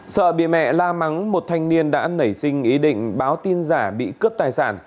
sợ bị mẹ la mắng một thanh niên đã nảy sinh ý định báo tin giả bị cướp tài sản